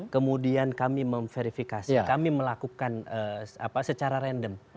kemudian kami memverifikasi kami melakukan secara random